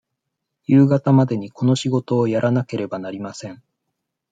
夕方までにこの仕事をやらなければなりません。